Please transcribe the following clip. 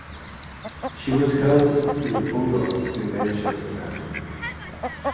She was held in the Pudong Detention Center.